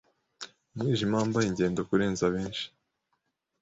Umwijima wambaye ingendo Kurenza benshi